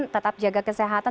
tetap jaga kesehatan